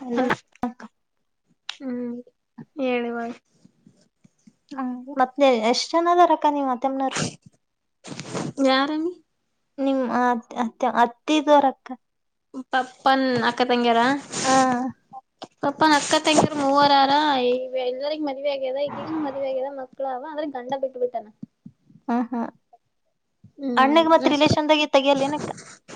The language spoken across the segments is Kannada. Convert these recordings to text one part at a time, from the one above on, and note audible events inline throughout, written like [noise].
ಹಲ್ಲೋ ಹಲೋ [unintelligible] ಹ್ಮ್ ಹೇಳಿ ಮಾಡ. ಹ್ಮ ಮತ್ತ ಎಷ್ಟ್ ಜನದರಕ್ಕ ನೀವ ಮತ್ತೆಮ್ಮನ್ರ. ಯಾರಾಮಿ. ನಿಮ್ತ್ತ ಹತ್ತಿದ್ವರಕ್ಕ. ಪಪ್ಪನ್ ಅಕ್ಕ ತಂಗಿಯಾರ. ಹ ಪಪ್ಪ ನ ಅಕ್ಕ ತಂಗರು ಮೂವರಾರ ಈ ಎಲ್ಲರಿಗ ಮದ್ವಿ ಆಗ್ಯದ ಈಗೀಗನು ಮದ್ವಿ ಆಗ್ಯದ ಮ. ಅವ ಆದ್ರೆ ಗಂಡ ಬಿಟ್ಟುಬಿಟ್ಟಾನ. ಹ್ಮ ಹ್ಮ್ ಅಣ್ಣಗ ಹ್ಮ್ ಮತ್ತ ಅಷ್ಟ ರಿಲೇೇಶನ್ದಾಗೆ ತಗಿಯಲ್ಲ ಏನಕ್ಕ.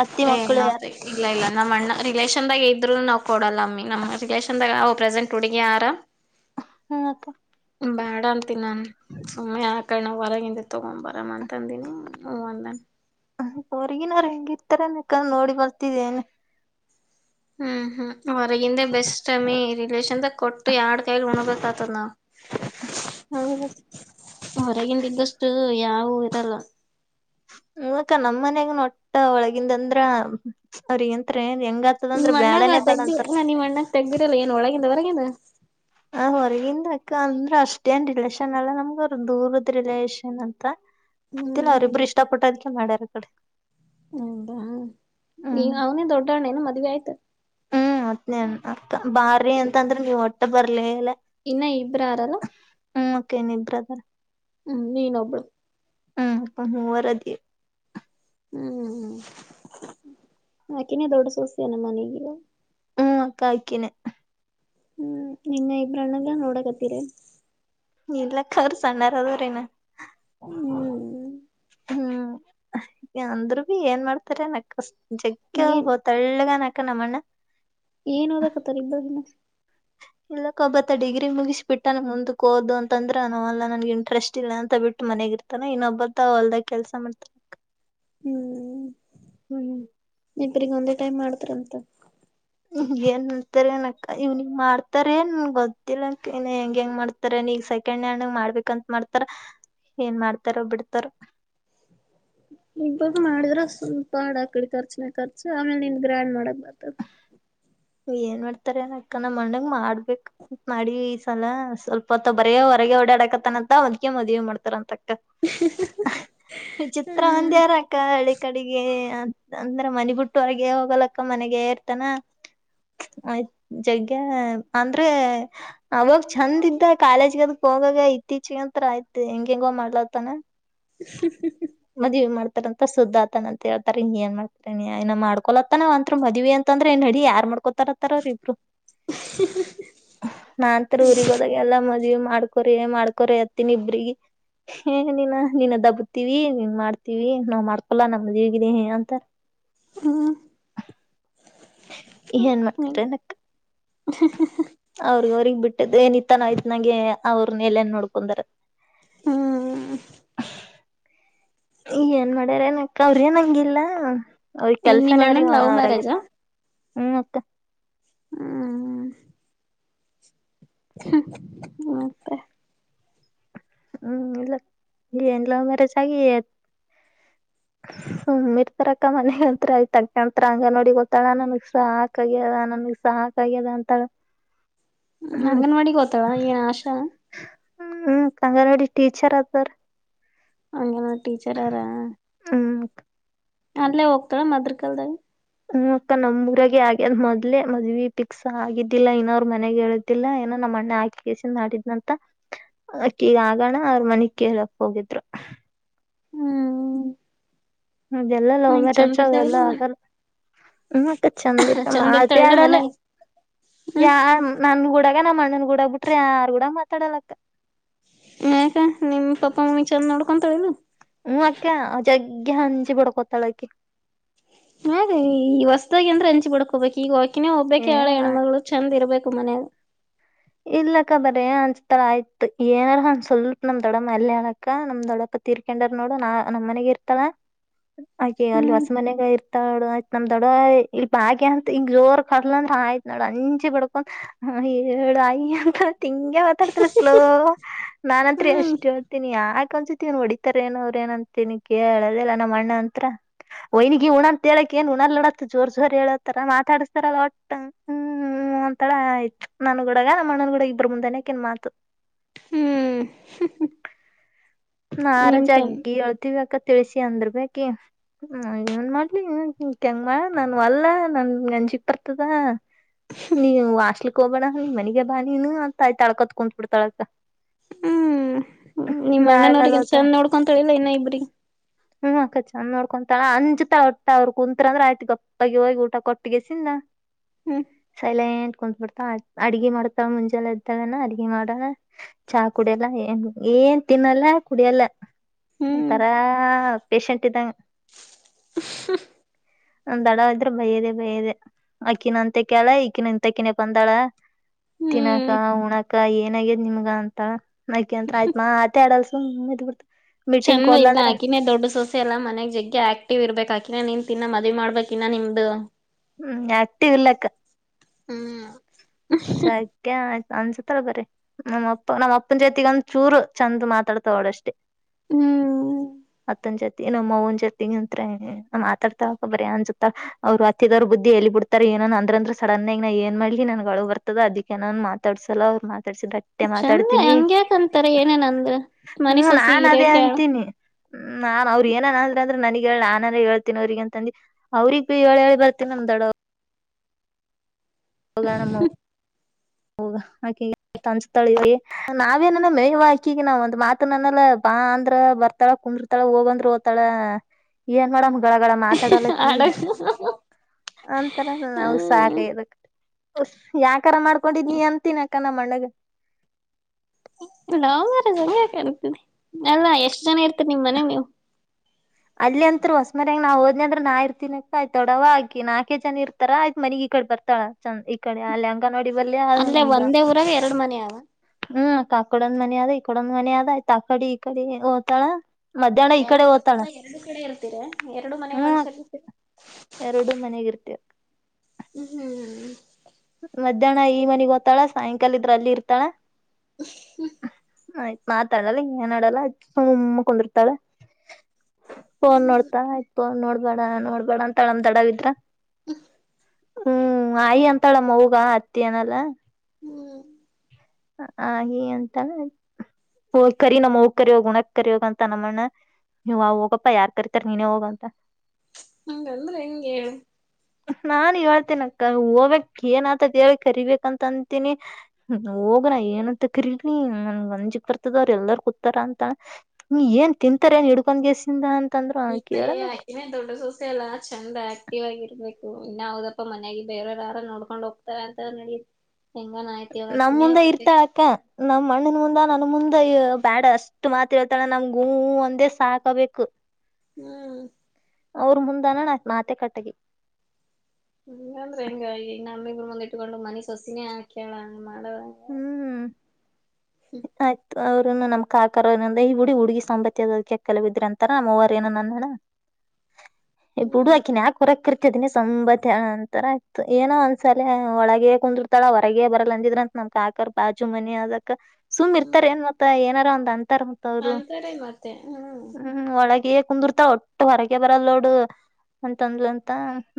ಅತ್ತಿ ಏ ಮಕ್ಕಳು ಯಾರ ನೌತೆ ಇಲ್ಲ ಇಲ್ಲ ನಮ್ಮ್ಣ್ಣ ರಿಲೇಷನ್ದಾಗ ಇದ್ರು ನ. ಕೊಡಲ್ಲಮ್ಮಿ ನಮ್ಮ್ ರಿಲೇಶನ್ದಾಗವು ಪ್ರೆಸೆಂಟ್ ಹುಗಿ ಆರಾಮ್. ಹ್ಮ ಅಕ್ಕ ಬೇಡ ಅಂತ ನಾನ್ ಸುಮ್ಮನೆ ಹಾಕಣ. ಹೊರಗಿಂದೆ ತಗೊ್ ಬರ್ ಅಂತಂದಿನಿ ಹ ಅಂದನ್. ಹ ಹೊರ್ಗಿನ್ರ ಹೆಂಗಿರ್ತಾರ ಕ ನೋಡಿ ಬರ್ತಿದ್ದೇನೆ. ಹ್ಮ್ ಹ್ಮ್ ಹೊರಗಿಂದೆ ಬೆಸ್ಟ್ ಟಮಿ ರಿಲೇಷನ್ದಾಗ ಕೊಟ್ಟ. ಅು ಎರಡ್ ಕಾಯಲಿ ಉಣಬೇಕತದ ನ ಹೊರಗಿಂದಿದ್ದಷ್ಟು ಯಾವ ಇದಲ್ಲ ಹಕ್ಕ ನಮ್ಮ ಮನ್ಯಾಗ ನೊಟ್ಟ ಒಳಗಿಂದ ಅಂದ್ರ ಅವ್ರಗತ್ ನಿ ಅಣ್ಣಾಗ ತೆಗಾ ನಿ ಅಣ್ಣಾಗ ತೆಬಿರಲ್ಲ ಏನ್ ಒಳಗಿಂದ ಹೊರಗೇನ ಹ ಹೊರಗಿಂದ ಅಕ ಅಂದ್ರ ಅಷ್ಟೇ ನ್ ರಿಲೇಷನ್ ಅಲ್ಲ ನಮ್ಗ ಅವ್ರ ದೂರದ್ ರಿಲೇಷನ್ ಅಂತ ಗೊತ್ತಿಲ್ಲ ಹ್ಮ್ ಅವರಿಬ್ರು ಇಷ್ಟ ಪಟ್ಟದ್ಕ ಮಾಡ್ಯಾರ ಕಡೆ ಹದಾ ಈ ಹ್ಮ್ ಅವನೇ ದೊಡ್ಡಣ್ಣೇನು ಮದ್ವಿ ಆಯ್ತ ಹ್ಮ್ ಅತ್ನೇನ್ ಅಕ್ಕ ಬಾರಿೀ ಅಂತಂದ್ರ ನೀವು್ ಒಟ್ಟೆ ಬರ್ಲಿಲ್ಲ ಇನ್ನ ಇಬ್ರಾರಲ್ಲ ಕೇನ ಬ್ರದರ್ ಹ್ಮ್ ನೀನ್ ಒಬ್ಬಳು ಹ್ಮ್ ಅ ಮೂವರ ಅದ ಹ್ಮ್ ಹ್ಮ್ ನಾಕನ್ನ ದೊಡ್ಡ ಸಸ್ಯನ ಮನೆಗೆ ಹ್ಮ್ ಕಾಯಕಿನ ಹ್ಮ್ ನಿನ್ ಇಬ್ರಣ್ಣಲ್ಲ ನೋಡಕತ್ತೀರಿ ಇಲ್ಲಕ್ಕ ಅವ್ರ ಸಣ್ಣಾರ ಅದರೇನ ಹ್ಮ್ ಹ್ಮ್ ಅಂದ್ರರು ಭ ಏನ್ ಮಾಡ್ತಾರೆ ನಕ್ ಕಷ್ಟ ಜಕ್ಕ ಏನ್ ಬ ತಳ್ಳಗ ನಕ್ಕಣಮ್ಮಣ್ಣ ಏನ್ ಹದಕತಾರ ಇದ್ದೋ ಇಲ್ಲ ಇಲ್ಲಕ್ಕ ಒಬ್ಬತ್ತ ಡಿಗ್ರಿ ಮುಗಿಸಿ್ ಬಿಿಟ್ಟಾನ ಮುಂದ ಹಓೋದು ಅಂದ್ರ ನಲ್ಲಾ ನನ್ಗ್ ಇಂಟ್ರೆಸ್ಟ್ ಇಲ್ಲ ಅಂತ ಬಿಟ್ಟು ಮನೆಗಿರ್ತಾನ ಇನ್ನೊಬ್ಬತ್ ಅವಲ್ದ ಕೆಲ್ಸ ಮಾಡ್ತಾರ ಹ್ಮ್ ಹ್ಮ್ ನಿಪ್ರಗ ಒಂದೇ ಟೈಮ್ ಮಾಡ್ತ್ರಂತ ಹ ಏನ್ ಅಂತಾರನಕ್ಕ ಇವ್ನಿಂಗ ಮಾಡ್ತಾರ ಏನ್ ಗೊತ್ತಿಲ್ಲ ನ್ ಹೆಂಗ ಹೆಂಗ ಮಾಡ್ತಾರ ನೀಗ ಸೆಕೆಂಡ್ ಹಣ್ಣಂಗ ಮಾಡ್ಬೇಕಂತ ಮಾಡ್ತಾರ ಏನ್ ಮಾಡ್ತಾರ ಬಿಡ್ತಾರ ಇ ಬಾಗ ಮಾಡಿದ್ರ ಸ್ವಲ್ಪ ಆಡಾಕ್ಡಿ ಖರ್ಚನ ಖರ್ಚು ಆಮೇಲೆ ನಿನ್ ಗ್ರ್ಯಾಂಡ್ ಮಾಡಕ್ ಬರ್ತದ ಹ್ಹ ಏನ್ ಮಾಡ್ತಾರ ಅಕ್ಕನ ಮಂಡಂಗ ಮಾಡ್ಬೇಕಕ್ ಮಾಡಿ ಈ ಸಲ ಸ್ವಲ್ಪ ಹೊತ್ತ ಬರವರ ಓಡಾಡಕತನ ಅಂತ ಅದ್ೆ ಮದುವವಿ ಮಾಡತ ಅಂತ ಚಿತ್ರ ಒಂದ ಹ್ಮ್ ಯಾರಕ್ಕ ಅಳೆ ಕಡೆಗೆ ಅ ಅಂದ್ರ ಮನ ಬಿಟ್ಟವರ್ಗೆ ಹೋಗಲಕ್ಕ ಮನೆಗ ಇರ್ತಾನ ಆಯ್ತ್ ಜಗ್ಗ ಅಂದ್ರೆ ಅವಾಗ ಚಂದ ಇದ್ದ ಕಾಲೇಜ್ಗ ಅದಕ್ ಹೋಗಾಗ ಇತ್ತೀಚೆಗೆತ್ರರ ಆಯ್ತ್ ಹೆಂಗ ಹೆಂಗ ಮಾಡ್ಲತಾನ ಮದ್ವಿ ಮಾಡ್ತ ಸುದ್ದತನ ಅಂತ ಹೇಳ್ತಾರೆ ಏನ್ ಮಾಡ್ತ ನೀಏನ ಮಾಡ್ಕೊಲತ್ತ ನ ಅಂತ್ ಮದ್ವಿ ಅಂದ್ರೆ ನಡಿ ಯಾರ್ ಮಾಡ ಮಾಡಕೋತಾರ ಅವ ಇರು ನಾಂತರ ಊ ಹೋದಾಗ ಎಲ್ಲ ಮದ ಮಾಡ್ಕೊರಿ ಏ ಮಾಡ್ಕೊರಿ ಹತ್ತಿನಿ ಇಬ್ರಗ ಏನಿನ ನೀನ್ ದಬ್ಬುತ್ತೀವಿ ನೀನ್ ಮಾಡ್ತೀವಿ ನಾವ್ ಮಾಡ್ಕೊಲ್ಲಾ ನಮ್ಮ ದೀವಗಿದೆ ಅಂತಾರ ಈ ಏನ್ ಹ್ಮ್ ಮಾಡ್ತರನಕ್ ಅವ್ರಿಗೆ ಅವ್ರಗ್ ಬಿಟ್ಟಿದ್ದ ಏನತ್ತ ನ ಆಯ್ತ್ ನಂಗೆ ಅವ್ರನ್ನ ಎಲ್ಲನ್ ನೋಡ್ಕೊೊಂಡಾರ ಹ್ಮ್ ಸ್ ಈ ಏನ್ ಮಾಡ್ಯಾರ ಏನಕ ಅವ್ರ ಏನ್ಂಗಿಲ್ಲ ಅವ ಏನ್ ನಿಮ್ಮ ಕೆಲ್ಸನೇ ಅಣ್ಣನ್ ಅವ್ರಿಗೆ ಲವ್ ಮ್ಯಾರೇಜಾ ಮನರಗತ್ತು ಹ್ಮ್ ಮತ್ತೆ ಹ್ಮ್ ಹ್ಮ ಮತ್ತೆ ಹ್ಮ್ ಎಲ್ಲ ಎಲ್ಲ ಅಮಾರ ಚಾಗಿ ಸುಮ್ ಇರ್ತಾರಕ್ಕ ಮನ ಅಂತ್ ಆಯ್ತ ಕಂತರ ಹಂಗ ನೋಡಿ ಗೊತ್ತಾಳ ನನ್ಗ್ ಸಾಕ ಆಗ್ಯದ ನಮ ಸಹಕ ಆಾಗ್ಯದ ಅಂತಳ ಹ್ಮ ಅಂಗನವಾಡಿಿಗೆ ಗೋತವಾ ಏನ್ ಆಶಾ ಹ್ಮ್ ಹ್ಮ್ ಅಂಗನವಾಡಿ ಟೀಚರ್ ಅತ ಅಂಗನವಾಡಿ ಟೀಚರ್ ಆರ. ಹ್ಮ್ ಅಲ್ಲೇ ಹೋಗ್ತಳ ಮದರ್ ಕಲ್ದಾಗ. ಇ ಅಕ್ಕ ನಮ್ ಊರಾಗ ಆಗ್ಯದ್ ಮೊದ್ಲೆ ಮದ್ವಿ ಪಿಕ್ಸ ಆಗಿದ್ದಿಲ್ಲಾ ಇನ್ನೋರು ಮನೆಗೆ ಹೇಳುದಿಲ್ಲಾ ಏನ ನಮ್ಮಣ್ಣ ಹಾಕಿ ಕಸ ಮಾಡಿದ್ನಂತಕ್ಕ ಈಗ ಆಗೋಣ ಅವ್ರ ಮನೆಗ್ ಕೇಳಕ್ ಹೋಗಿದ್ರು. ಹ್ಮ ಅದೆಲ್ಲ ಲವ್ ಮ್ಯಾರೇಜ್ ಅವೆಲ್ಲ ಆಗಲ್ಲ. ಹ್ಮ ಅಕ್ಕ ಚಂದ ಇತ್ತ ಮಾತೆ ಇರ್ತಾಳಿಲ್ಲ ಆಡಲ್ಲ ಮನ್ಯಾಗ ಹ್ಮ್ ಯ ನನ್ ಗೂಡ. ಆಗ ನಮ್ಮ್ ಅಣ್ಣನ ಕೂಡ ಬಿಟ್ರಿ ಯಾರ ಕೂಡ ಮಾತಾಡಲ ಅತ. ಮಕ ನಿಮ್ ಪಪ್ಪ ಮಮ್ಮಿ ಚಂದ್ ನೋಡ್ಕೊಂತಾಳನ ಇಲ್ಲ. ಹ ಅಕ್ಕ ಜಗ್ಯ ಹನಚಿ ಬಡ ಕತ್ತಳಕ್ಕೆ. ಮದರಿ ಈ ಹೊಸದಾಗಿ ಅಂದ್ರೆ ಅಂಚಿ ಬಿಡ್ಕೊಬೇಕು ಈಗ ಹಾಕಿನೇ ಒಬ್ಬಬೇಕ ಏ ಆಳ ಹೆಣ್ಮಗಳು ಚಂದ ಇರ್ಬೇಕ. [inaudible] ಇಲ್ಲಕ್ಕ ಬರಿ ಅಂಚಾಟಾಳ ಆಯ್ತು ಏನಾರ ಅಂದ ಸ್ವಲ್ಪ್ ನಮ್ ದೊಡ್ಡಮ್ಮ ಅಲ್ಯಾಲಕ್ಕ ನಮ್ದೊಡ. ತೀರ್ಕೊಂಡರ್ ನೋಡು ನಾ ನಮ್ ಮನೆಗೆ ಇರ್ತಾಳ. ಹಾಗೆ ಅಲ್ಲಿ ಹ್ಮ್ ಹೊಸ ಮನ್ಯಾಗ ಇರ್ತಾಳ ಆಯ್ತು ನಮ್ ದೊಡ ಇಲ್ಲಿ ಬಾ ಗೆ ಅಂತ ಹಿಂಗ ಜೋರ್ ಕರ್ಲ ಆಯ್ತ್ ನೋಡು ಅಂಜಿ ಬಡ್ಕೊಂಡ್. ಹೇಳ ಆಯ ಅಂತ ತಿಂಗೆ ಮಾತಾಡ್ತಿರ ಸ್ಲೋ ನಾನತ್ರಿ ಹ್ಮ್ ಏಷ್ಟ ಹೇಳ್ತೀನಿ ಯಾಕ ಒಂದಸ. ಹೊಡಿತಾರೆ ಏನ ಅವ್ರ ಏನ ಅಂತನಿ ಕೇಳದಿಲ್ಲಲ್ಲ ನಮ್ಮ ಅಣ್ಣ ಅಂತ್ರ ವಯ್ನಿಗೆ ಉಣ ಅಂತ ಹೇಳಕ್ ಏನ್. ಡತ್ತ ಜೋರ್ ಜೋರ್ ಹೇಳಂತರ ಮಾತಾಡಿಸತಾರಲ್ಲ ಒಟ್ಟ ಹ್ಮ್ ಹೂ ಅಂತಳ ಆಯ್ತು. ನನ್ ಹುಡುಗ ನಮ್ಮ ಅಣ್ಣನ ಗೂಡ ಇಬ್ಬರು ಮುಂದೆನಕ ಏನ್ ಮಾತು. ಹ್ಮ್ ನಿಮ್ ತಮ್ಮ ಅಳ್ತಿವಿಕತ್ತ [unintelligible] ತಿಳಿಸಿ ಅಂದ್ರ ಬೇಕಿ ಇವನ್ ಮಾಡ್ಲಿ ಕೆಂಗ ಮಾಡ್ಲಿ ವಲ್ಲಾ ಅಂಜಿಕೆ ಬರ್ತದ. ನೀವ್ ಹಾಸ್ಟೆಲ್ ಹೋಗಬೇಡ ಮನಗೆ ಬಾ ನೀನು ಅಂತಾ ಅಲ್ಕೋತಾ ಕುತ್ಬಿಡ್ತಾಳಂತ ಹ್ಮ್ [unintelligible] ನಿಮ್ ಅಣ್ಣನವ್ರಿಗೆ ಚಂದ್ ನೋಡ್ಕೊಂತಳಿಲ್ಲ ಇನ್ನ ಇಬ್ರಿಗೆ ಚಂದ ನೋಡ್ಕೊಂತಳ ಅಂಜತಾ ಹೊಟ್ಟ ಅವ್ರ ಕುಂತ್ ಅಂದ್ರ ಆಯ್ತು ಗಪ್ಪಿ ಹೋಗಿ ಊಟ ಕೊಟ್ಟಿಗೆಸಿಂದ. ಹ್ಮ್ ಸೈಲೆಂಟ್ ಕುತ್ಬಡ್ತ ಅಡ್ಗೆ ಮಾಡ್ತಾಳ ಮುಂಜೆಲ್ಲ ಇದ್ದಾಳನ ಅಡ್ಗೆ ಮಾಡಣ ಚಾ ಕುಡಲ್ಲ ಏ ಏನ್. ತಿನ್ನಲ್ಲ ಕುಡಿಯಲ್ಲ ಹ್ಮ್ ಒಂತರ ಪೇಶಂಟ್ ಇದ್ದಂಗ. [unintelligible] ನಮ್ ದೊಡ್ಡವ ಅಂತ್ರ ಬಯದೆೇ ಬಯದೆ ಅಕ್ಕಿನ ಅಂತಕೆ ಆಳ ಈಕಿನ ಇಂತಕ್ಕಿನ ಬಂದಾಳ. ತಿನ್ನಾಕ ಹ್ಮ್ ಉಣಕ ಏನಾಗ್ಯದ್ ನಿಮ್ಗ ಅಂತ ಮಕಂತ್ರ ಆಯ್ತ್ ಮತ್. [unintelligible] ಚಂದ ಇಲ್ಲ ಆಕಿನೇ ದೊಡ್ ಸೊಸೆ ಎಲ್ಲ ಮನೆಯಗ್ ಜಗ್ಗೆ ಆಕ್ಟಿವ್ ಇರ್ಬೇಕ ಆಕಿ. ಇ ನೀನ್ ನಿಂತ ಮದ್ವಿ ಮಾಡ್ಬೇಕ ಇನ್ನ ನಿಮ್ದು. ಆಕ್ಟಿವ್ ಇಲ್ಲಕ. ಹ್ಮ್. ಅಂಜಾತಲ ಬರೀ ನಮ್ಮ ಅಪ್ಪ ನಮ್ಮ್ ಅಪ್ಪನ ಜೊತೆಗ ಒಂದ ಚೂರು ಚೆಂದ ಮಾತಾಡ್ತೋಡಷ್ಟೇ. ಹ್ಮ್ [unintelligible] ನಮ್ಮ ಒನ್ ಜರ್ತಿಂಗ ಅಂತ್ ಮಾತಾಡ್ತಾ ಬರ ಅನ್ಸುತ್ತ ಅವ್ರು ವ್ ಬುದಿ ಎಲ್ಲಿ ಬಿಡ್ಾರೆ ಏನ ಅಂದ್ರಂದ್ರ ಸಡನ್ ಆಗ ನಾ ಏನ್ ಮಾಡಲಿ ನನ್ಗಳು ಬರ್ತದ ಅದಕ್ಕೆೇನ ಮಾತಡ್ಸಲ್ಲ ಅವ ಮಾತಡ್ಸಿ ಬಟ್ಟೆ ಚಂದ ಮಾತಾಡ್ತೀನಿ ಹಂಗ್ಯಾಕಂತಾರ ಏನೇನ್ ಅಂದ್ರ ಮನಿ ಹ್ಮ್ ಸೊಸಿ ನಾನ ಅದೇ ಇರಕ ಅಂತೀನಿ. ಹ್ಮ್ ನಾನ್ ಅವ್ರರು ಏನ ಅಂದ್ರ ಅಂದ್ರೆ ನನಗ್ ಹೇಳಳ್ ನಾನೇ ಹೇಳ್ತೀನ ಅವ್ರಿಗ ಅಂತಂದಂದು ಅವ್ರಗ್ ಬಿ ಹೇಳಿ ಬರ್. ನಮ್ಮ ದೊಡ್ಡವ. [unintelligible] ಹ ಆಕೆ ಅನ್ಸ್ತಾಳಿವ ನಾವೇನ ಮಾಡಮ್ಮ ಯವ್ವ ಆಕಿಗಿ ನಾವ ಒಂದ್ ಮಾತು ಅನ್ನೆಲ್ಲಾ ಹಾ ಅಂದ್ರ ಬರ್ತಾಳ ಕುಂದರ್ತಾಳ ಹೋಗಂದ್ರ ಓತಾಳ ಏನ್ ಮಾಡ ಗಡಗದ ಮಾತಾಡಲಕ್ಕಿ ಆಡ ಅಂತರ ನಮಗ ಸಾಕ ಹ್ಮ್ ಆಗ್ಯದ. ಯಾಕಾದ್ರೂ ಮಾಡ್ಕೊಂಡಿದನಿ ಅಂತೀನಿ ಅಕ್ಕ ನಮ್ಮಅಣ್ಣಗ. ಲವ್ ಮ್ಯಾರೇಜ್ ಎಲ್ಲಾಗತದೆ ಅಲ್ಲ ಎಷ್ಟ ಜನ ಇರ್ತರಿ ನಿಮ ಮನೆ ನೀವು ಅಲ್ಲಿ ಅಂತ್ರು ಹೊಸ ಮನಿ ಯಾಗ ನಾ ಹೋದ್ನಂದ್ರ ನಾ ಇರ್ತೀನ ಆಯ್ತ ದೊಡ್ಡವ್ವ ಆಕಿ ನಾಲ್ಕ ಜನ ಇರ್ತಾರ ಆಯ್ತ್ ಮನಿ ಇಡೆ ಬರ್ತಳ ಚ ಇಡೆ ಆ ನೋಡಿ ಬಲ್ಲಿ ಅಲ್ಲೇ ನಮ್ದು ಒಂದೇ ಊರಾಗ ಎರಡ್ ಮನೆ ಅವ ಹ್ಮ್ ಕಾಡ ಹ ಮನ ಆದ ಇ ಕಡ ಒಂದ ಮನೆ ಆದ ಆಯ್ತ ಅಕಡೆ ಈ ಕಡೆ ಹಓತಾಳ ಮಧ್ಯಾಹ್ನ ಎರಡು ಇಕಡೆ ಓತಾಳ ಅಲ್ಲ ಎರಡು ಕಡೆ ಇರ್ತೀರ ಎರಡು ಮನೆ ಹ್ಮ್ ಮನ್ಸ್ಯ ಇತೀರ ಎರಡು ಮನೆಗ್ ಇರ್ತಿವ್ ಹ್ಮ್ ಹ್ಮ್ ಹ್ಮ್ ಇರ್ತಾಳ ಸಾಯಂಕಾಲ ಇದ್ರೆ ಅಲ್ಲಿ ಇರ್ತಳ ಆಯ್ತ್ ಮಾತಾಡಲ್ಲ ಏನ್ ಆಡಲ್ಲ ಕುಂದಿರ್ತಾಳ ಫೋನ್ ನೋಡ್ತಾ ಫೋನ್ ನೋಡ್ಬೇಡ ನೋಡ್ಬೇಡ ಅಂತಳ ನಮ್ಮ ದೊಡ್ಡವಿದ್ರ ಹ್ಮ್ ಆಯಿ ಅಂತಾಳ ನಮಅವ್ವಗ ಅತ್ತಿ ಅನಲ್ಲ ಹ್ಮ್ ಹಾಗೆ ಅಂತಾನ ಹ್ ಕರಿ ನಮ್ಮ್ ಕರಿಯೋಗ್ ಉಣ ಕರಿಯೋಗಂತ ನಮ್ಮಣ್ಣ ನೀವ್ ಹೋಗಪ್ಪ ಯಾರ್ ಕರಿತಾರ ನೀನೇ ಹೋಗಂತ ಹಂಗಂದ್ರೆ ಹೆಂಗಗೆ ನಾನ್ ಇಳ್ತೇನ ಅಕ್ಕ ಹೋಗ್ಕ್ ಏನ್ ಆತದ ಕರಿಬೇಕಕ್ಂತ ಅಂತೀನಿ ಹೋಗಣ ಏನಂತ ಕರಿ ಗಂಜಿಕ್ ಬರ್ತದ ಅವ್ರ ಎಲ್ಲಾರ ಕೂತಾರ ಅಂತ ಏನ್ ತಿಂತಾರೇ ನ್ ಹಿಡ್ಕೊಂಡ್ ಗೆಸಿಂದ ಈ ಏ ಹಾಕಿನಿ ದೊಡ್ಡ ಸೋಸೆ ಎಲ್ಲಾ ಚಂದ ಆತ ಸ ಇರ್ಬೇಕು ಇನ್ನ ಹೌದಪ್ಪಾ ಮನಯಾಗಿ ಬೇರವ ಯಾರ ನೋಡ್ಕೊಂಡ್ ಹೋಗ್ತಾರ ಅಂತ ನಡೀ ಹೆಂಗಾನ ಆಯ್ತಿ ನಮ್ ಅದಕಿನ ಮುಂದ ಇರ್ತಾಳ ಅಕ್ಕ ನಮ್ ಮಣ್ಣನ್ ಮುಂದ ನನ್ ಮುಂದೆ ಬ್ಯಾಡ ಅಷ್ಟ್ ಮಾತ್ ಹೇಳ್ತಾಳ ನಮ್ ಗೂ ಒಂದೇ ಸಾಕಬೇಕು ಹ್ಮ್ ಅವ್ರ ಮುಂದಾನಣ ಮಾತೆ ಕಟ್ಟಾಗೈತಿ ಹಿಂಗಂದ್ರೆ ಹಿಂಗ ಇ ನಮ್ಮಿಗರು ಮುಂದ್ ಇಟ್ಕೊಂಡು ಮನೆ ಸೊಸೆ ಹೊಸಿನೇ ಆಕೆಯಲ್ಲ ಮಾಡಳವಾ ಅವರುನು ನಮ್ ಕಾಕರಂದ ಈ ಹುಡಿ ಹುಡುಗಿ ಸಾಂಬತ್ಯ ಅದಕ್ಕೆ ಕೆಲ ಬಿದ್ರ ಅಂತಾರ ನಮ್ಮವರು ಏನೋ ನಂದಣ್ಣ ಏಬಿಡು ಹ್ಮ್ ಆಕೆನ ಯಾಕೆ ಹೊರಕ್ಕೆ ಕರಿ ಇ ದಿನಿ ಸಂಂಬತ್ತಂತರ ಆಯತು ಏನೋ ಒಂದ್ಸಲ ಒಳಗೆ ಕುಂದರ್ತಾಳ ಹೊರಗೆ ಬರಲ್ಲ ಅಂದಿದ್ರಂತ ನಮ್ ಕಾಕರ್ ಬಾಜು ಮನಿ ಅದಕ್ಕ ಸುಮ್ ಹ್ಮ್ ಇರ್ತಾರ ಏನ್ ಮತ್ತೆ ಏನಾದರೂ ಒಂದು ಅಂತರ ಅವರು ಅಂತಾರೆ ಮತ್ತೆ ಹ್ಮ್ ಒಳಗೆ ಕುಂದಿರ್ತ ಒಟ್ಟು ಹೊರಗೆ ಬರಲ್ ನೋಡು ಅಂತೊಂದ್ ಅಂತ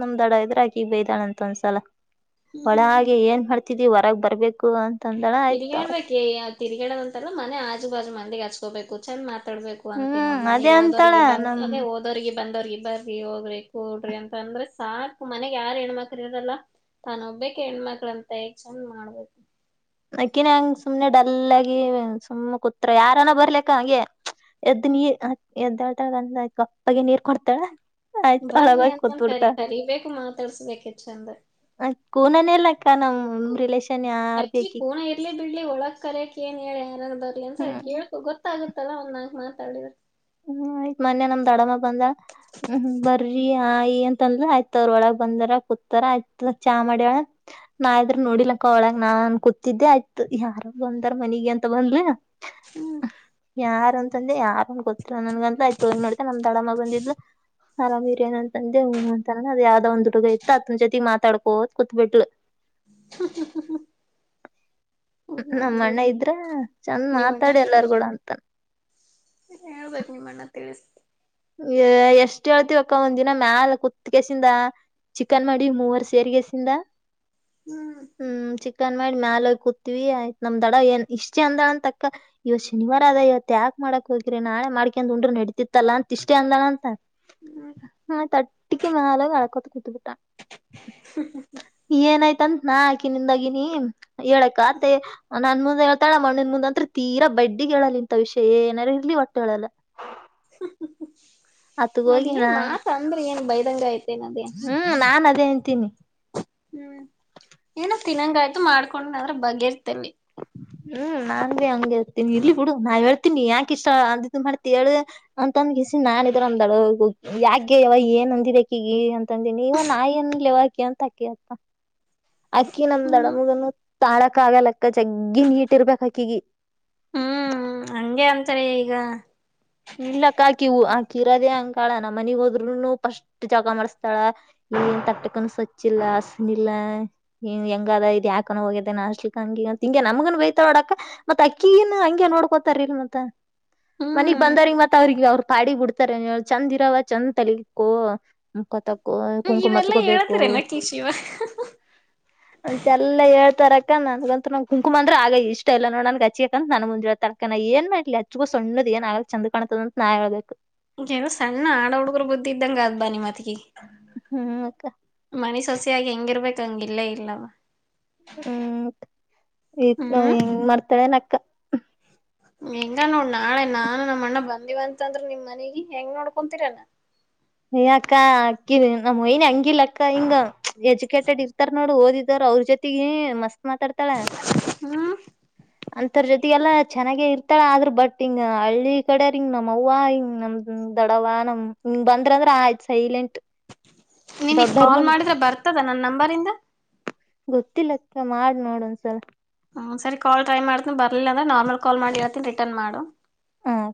ನಮ್ದ ದಡ ಇದ್ರಾಕಿ ಬೈದಾಳ ಅಂತ ಒಂದ್ಸಲ ಹ್ಮ್ ಒಳ ಹ್ಮ್ ಹಾಗೆ ಏನ್ ಮಾಡ್ತಿದಿ ಹೊರಗ್ ಬರ್ಬೇಕು ಅಂತ ಅಂದಳ ಆಯ್ತ ತಿರುರ್ಗೇಬೇಕಕ್ ತಿರ್ಗೇಡದ ಅಂತಲ್ಲ ಮನೆ ಆಜು ಬಾಜು ಮಂದಿಗ್ ಹಚ್ಕೋಬೇಕು ಚಂದ ಮ ಡ್ಬೇಕು ಅಂತ ನೋ ಹ್ಮ್ ಅದೇ ಮನೆಗ್ ಅಂತಾಳ ಹೋದೋರಿಗೆ ಬಂದ ನಮ್ ಹಾ ಓದೋರಿಗೆ ಬಂದವ್ರಿ ಬರ್ರಿ ಹೋಗ್ರಿ ಕೂಡ್ರಿ ಅಂತ ಅಂದ್ರ ಸಾಕು ಮನೆಗ ಯಾರ್ ಹೆಣ್ಮಕ್ರ್ ಇರದಲ್ಲ ತಾನ ಒಬ್ಬಕ್ ಹೆಣ್ಮಕ್ಳಂತ ಎಗ್ ಚಂದ್ ಮಾಡ್ಬೇಕು ಅಕ್ಕಿನ ಹಂಗ ಸುಮನೆ ಡಲ್ ಆಗಿ ಸುಮ್ಮ್ ಕುತ್ರ ಯಾರನ ಬರ್ಲಿಕ್ಕ ಹಾಗಂಗೆ ಎದ್ ನೀ ಹ್ಮ್ ಎದ್ದ ಎಳ್ತಾಳಂದ ಕಪ್ಪಗೆ ನೀರ್ ಕೊಡ್ತಾಳ ಆಯ್ತು ಬನ್ಲಿ ಅಳವಾಗಿ ಅಂತಂದ ಕರಿ ಕೂತ್ಬಿಡ್ತಾಳ ಕರಿಬೇಕು ಮಾತಾಡ್ಸ್ಬೇಕ ಹೆ ಚಂದ ಕೂನಲಿಕ ನ ರಿಲೇಷನ್ ಯಾರ್ ಬ ಕೂರ್ನ ಇರ್ಲಿ ಬಿಡ್ಲಿ ಒಳಗ್ ಕರಕ್ ನ್ ಹೇಳ ಯಾರ ಬರಲಿ ಅಂತ ಹ್ಮ್ ಕೇಳು ಗೊತ್ತಾಗುತ್ತೆ ಮತ್ತಲ ಒಂದ್ ನಾಗ್ ಮಾತಾಡಿದ ಹ್ಮ್ ಆಯ್ತ್ ಮನ್ಯ ನಮ್ದ ಅಡಮ್ಮ ಬಂದ ಹ್ಮ್ ಬರ್ರಿ ಆಯಿ ಅಂತಂದಲ ಆಯ್ತ ಅವ್ರ ಒಳಗ್ ಬಂದರ ಕೂತಾರ ಆಯ್ತ ಚಾ ಮಾಡ್ಯಳ ನಾರ ನೋಡಿಲಕ್ಕ ಒಳಗ ನಾನ್ ಕೂತಿದ್ದೆ ಆಯ್ತ ಯಾರ ಬಂದಾರ ಮನಗೆ ಅಂತ ಬಂದ್ರ ಹ್ಮ್ ಯಾರ ಅಂತಂದ್ರೆ ಯಾರನ್ ಗೊತ್ತ ನನ್ ಅಂತಯ್ತೋ ಮಾಡ್ತೆ ನಮ ದಡಮ್ಮ ಬಂದಿದ್ದು ಆರಾಮ್ ಇದ್ದೀರಿ ಅಂತಂದೆ ಹೂ ಅಂತ ಅಂದ್ರು ಅದ ಯಾವ್ದೋ ಒಂದ್ ಹಡುಗ ಇತ್ತು ಅತ್ನ ಜೊತಿ ಮಾತಾಡ್ಕೋದ ಕುೂತ್ಬ ಬಿಟ್ಲು ನಮ್ಮ ಮಾಡಿದ್ರಿ ಅಣ್ಣ ಇದ್ರ ಚಂದ ಮಾತಾಡಿ ಎಲ್ಲಾರ್ಗೂ ಅಂತನ್ ಹೇಳಳ್ಬೇಕೇಕ ನಿಮ್ಮಣ್ಣ ಗೆ ತಿಳಿಸಿ ಎಷ್ಟ್ ಹೇಳ್ತಿವಕ್ಕ ಒಂದ ದಿನ ಮ್ಯಾಲ ಕುತ್ಗೆಸಿಂದ ಚಿಕನ್ ಮಾಡಿ ಮೂವರ್ ಸೇರ್ಗೆಸಿಂದ ಹ್ಮ್ ಚ ಚಿಕನ್ಮಾಡಿ ಮೇಾಲಿ ಕೂತತಿವಿ ಆಯ್ತ್ ನಮ್ ದಡ ಏನ್ ಇಷ್ಟ್ ಅಂದಡ ಅಂತ ತಕ್ಕ ಇವತ್ತು ಶನಿವಾರ ಅದವತ್ ಯಾಕೆ ಮಾಡಾಕ್ ಹೋಗಿರಿ ನಾಳೆ ಮಾಡ್ಕೊಂಡ್ ಉಂಡ್ರ ನೆಡತಿತ್ತಲ್ಲ ಅಂತ ಇಷ್ಟೇ ಅಂದಳ ಅಂತ ಹ್ಮ್ ಹ್ಮ ತಟ್ಟಿಕ ಮ ಅಳ ಅಳಕ್ಕತೆ ಕುತ ಬಿಟ್ಟ ಹೂ ಹೂ ನಾ ಆಕಿ ನಿಂದಾಗಿನಿ ಹೇಳಕ್ ಆತ್ತೆ ನನ್ ಮುಂದೆ ಹೇಳ್ತಾಳ ಮಣ್ಣನ್ ಮುಂದ ಅಂತ್ ತೀರಾ ಬಡ್ಡಿಗೆ ಹೇಳಲ್ಲ ಇಂತ ವಿಷಯ ಏನಾದಾರ ಇರ್ಲಿ ಒಟ್ಟೆ ಹೇಳಲ್ಲ ಅತ್ಗ ಹೂ ಅದ್ ಹೋಗಿ ಏನ್ ನಾ ಮಾತ ಅಂದ್ರೆ ಏನ್ ಬಯದಂಗ ಐತೆನದೇ ಹ್ಮ್ ನಾನ್ ಅದೇ [unintelligible] ಹ್ಮ್ ಏನ ತಿನ್ನಂಗಯ್ತು ಮಾಡ್ಕೊಂಡದ್ರ ಬಗೆೇರ್ತಲ್ಲಿ ಹ್ಮ್ ನಾನ್ ಹಂಗಗೆ ಇರ್ತೀನಿ ಇಲ್ಲಿ ಬಿಡು ನಾವ್ ಹೇಳ್ತೀವಿ ವಿ ಯಾಕ ಇಷ್ಟ ಅಂದ ಮಾಡ್ತೇಳಿ ಅಂತ ಅನ್ಗಿಸಿ ನಾನ್ ಇದ್ರ ಅಂದಾಳ ಯಾಕೆ ಯವ ಏ ಏನ್ಂದಿದೆ ಆಕೆಗೆ ಅಂತ ಅಂದಿನಿ ಇವನ್ ಆಯನ್ ಲೇವಕಿ ಅಂತ ಅಕಿ ಅತ್ತ ಅಕ್ಕಿ ನಮ್ ದಡ ಹ್ಮ್ ಮುಗನು ತಾಳಕ್ ಆಗಲಕ್ಕ ಅಕ್ಕ ಚಗ್ಗಿ ನೀಟ್ರ್ಬೇಕ ಅಕ್ಕಗಿ ಹ್ಮ್ ಹಂಗೆ ಅಂತಾರೆ ಈಗ ಇಲ್ಲಕ್ಕಾಕಿ ಹೂ ಆಕಿ ಇರೋದೇ ಅಂಗಕಾಳ ನಮ್ಮ ಮನಗ್ ಹೋದ್ರುನು ಫಸ್ಟ್ ಜಾಗ ಮಾಡಸ್ತಾಳ ಇ ಏನ್ ತಟ್ಟಕನ ಸ್ವಚ್ಲ್ಲ ಹಸನ ಇಿಲ್ಲ ಹೆಂಗದ ಇ ಯಾಕಾನ ಹೋಗಿದೆನ್ಸ್ಲಿಕ್ಕ ಹಂಗ ಹಂಗೆ ನಮ್ಗನ್ ಬಯತೋಡಕ್ಕ ಮತ್ ಅಕ್ಕಿನ ಹಂಗೆ ನೋಡ್ಕೋತಾರ ಇಲ್ ಮತ್ತ ಮನಗ್ ಹ್ಮ್ ಬಂದ್ರಗ್ ಮತ್ತತ್ ಅವ್ರಿಗೆ ಅವ್ರ ಪಾಡಿ ಬಿಡ್ತಾರೆ ಚಂದ ಇರವ ಚಂದ ತಲೆಕ್ಕ ಮುಖತ ಕುಂಕುಮ ಇವೆಲ್ಲಾ ಮಚ್ಕೋಬೇಕು ಹೇಳತರೇನ ಕಿ ಶಿವ ಅಂತೆ ಎಲ್ಲಾ ಹೇಳ್ತಾರ ನನ್ಗಂತ ನಗೆ ಕುಂಕುಮಂದ್ರ ಆ ಇಷ್ಟ ಇಲ್ಲ ನೋಡ ನನ್ಗೆ ಹಚ್ಿಕಂತ ನನ್ ಮುಂಜ ತಕನ ಏನ್ ಮಾಡ್ಲಿ ಅಚ್ಕು ಸಣ್ಣದ ಏನ್ ಆಗ ಚಂದ ಕಾಣತದಂತ ನನ್ಾಯಿ ಹೇಳದಬೇಕು ಏನ ಸಣ್ಣ ಆಡ ಹುಡುಗರ ಬುದ್ಧಿ ಇದ್ದಂಗಾದ್ ಬಾನಿ ಮತಿಿ ಹ್ಮ್ ಅಕ್ಕ ಮನಸ ಹಸ ಆಾಗಿ ಹೆಂಗಿರ್ಬೇಕ ಹಂಗ ಇಲ್ಲೇ ಇಲ್ಲವ ಹ್ಮ್ ಹ್ಮ್ ನಾವನ್ ಮಾಡ್ತಾಳ ನ ಹೆಂಗ ನೋಡ್ ನಾಳೆ ನಾನು ನಮ್ಮ ಅಣ್ಣ ಬಂದಿವ ಅಂತಂದ್ರೆ ನಿಮ್ ಮನಗ ಹೆಂಗ ನೋಡ್ಕೊಂತೀರಲ್ಲ ಅಯ್ಯ ಅಕ್ಕ ಅಕ್ಕಿ ನಮ್ಮ್ ಯನ್ ಹಂಗಿಿಲ್ಲ ಅಕ್ಕ ಹಿಂಗ ಎಜುಕೇಟೆಡ್ ಇರ್ತಾರ ನೋಡು ಓದಿದಾರ ಅವ್ರ ಜೊತೆಗೆ ಮಸ್ತ್ ಮಾತಾಡ್ತಾಳ ಹ್ಮ್ ಅಂತರ ಜೊತೆ ಎಲ್ಲಾ ಚೆನ್ನಾಗೆ ಇರ್ತಾಳ ಆದ್ರ ಬಟ್ ಹಿಂಗ ಹಳ್ಳಿ ಕಡೆ ರಿಂಗ್ ನಮ್ ಅವ್ವ ಹಿಂಗ್ ನಮ್ದ ದಡವ ಹಂಗ್ ಬಂದ್ರ ಅಂದ್ರ ಆಯ್ತ್ ಸೈಲೆಂಟ್ ನೀನಗ್ ದೊಡ್ಡೋರ್ ಕಾಲ್ ಮುಂದ್ ಮಾಡಿದ್ರೆ ಬರ್ತದ ನನ್ನ ನಂಬರಿಂದ ಗೊತ್ತಿಲ್ಲಕ್ಕ ಮಾಡ್ ನೋಡ್ ಒಂದ್ಸಲ ಹ್ಞೂ ಸರಿ ಕಾಲ್ಟ್ರೈ ಮಾಡತನಿ ಬರ್ಲಿಲ್ಲಂದೆ ನಾರ್ಮಲ್ಾಲ್ ಮಾಡಿ ಹೇಳ್ತಿನಿ ರಿಟರ್ನ್ ಮಾಡು ಹ್ಮ